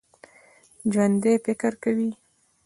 ژوندي فکر کوي